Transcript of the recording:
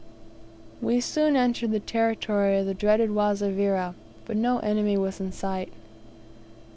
We soon entered the territory of the dreaded Wazavira, but no enemy was in sight.